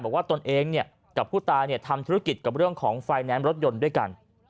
ตนเองกับผู้ตายทำธุรกิจกับเรื่องของไฟแนนซ์รถยนต์ด้วยกัน